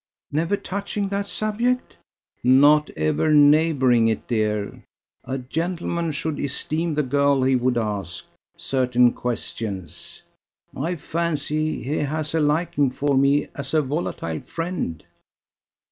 "Never touching that subject?" "Not ever neighbouring it, dear. A gentleman should esteem the girl he would ask ... certain questions. I fancy he has a liking for me as a volatile friend."